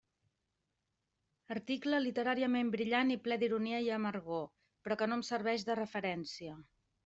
Article literàriament brillant i ple d'ironia i amargor, però que no em serveix de referència.